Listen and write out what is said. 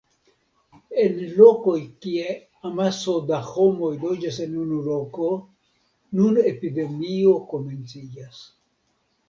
En lokoj kie amaso da homoj loĝas en unu loko, nun epidemio komenciĝas.